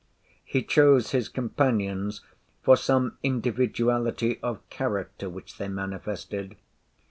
He chose his companions for some individuality of character which they manifested.